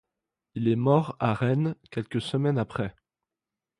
Il est mort à Rennes quelques semaines après.